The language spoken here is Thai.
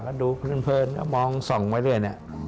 ก็ดูเพลินก็มองส่องไว้เรื่อย